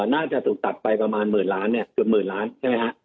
น่าจะถูกตัดไปประมาณหมื่นล้านเนี่ยเกือบหมื่นล้านใช่ไหมฮะ